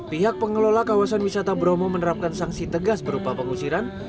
pihak pengelola kawasan wisata bromo menerapkan sanksi tegas berupa pengusiran